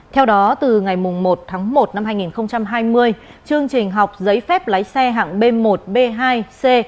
theo đó từ ngày một tháng một năm hai nghìn hai mươi chương trình học giấy phép lái xe hạng b một b hai c